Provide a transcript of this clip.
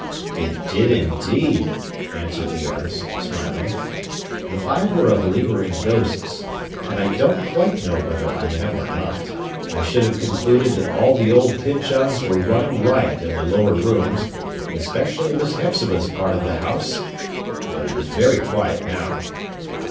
"It did, indeed!" answered the artist, smiling. "If I were a believer in ghosts,—and I don't quite know whether I am or not,—I should have concluded that all the old Pyncheons were running riot in the lower rooms, especially in Miss Hepzibah's part of the house. But it is very quiet now."